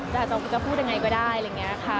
แต่อาจจะพูดยังไงก็ได้อะไรอย่างนี้ค่ะ